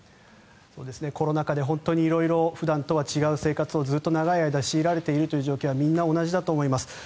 コロナ禍で色々と普段とは違う生活をずっと長い間強いられているという状況はみんな同じだと思います。